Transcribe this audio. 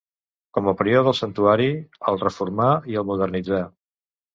Com a prior del santuari, el reformà i el modernitzà.